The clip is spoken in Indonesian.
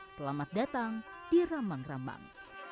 selamat datang di rambang rambang